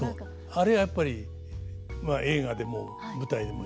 あれはやっぱり映画でも舞台でも一緒ですよね。